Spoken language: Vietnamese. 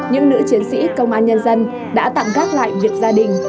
những nữ chiến sĩ công an nhân dân đã tạm gác lại việc gia đình